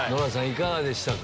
いかがでしたか？